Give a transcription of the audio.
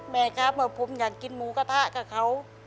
แม่ครับว่าผมอยากกินหมูกระทะกับเขา